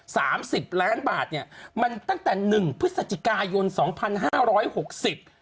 สามสิบล้านบาทเนี้ยมันตั้งแต่หนึ่งพฤศจิกายนสองพันห้าร้อยหกสิบ